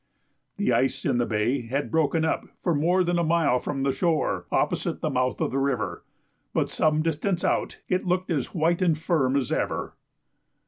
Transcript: The ice in the bay had broken up for more than a mile from the shore opposite the mouth of the river, but some distance out it looked as white and firm as ever.